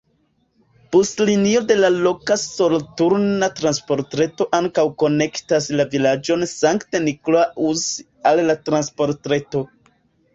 Buslinio de la loka soloturna transportreto ankaŭ konektas la vilaĝon Sankt-Niklaus al la transportreto.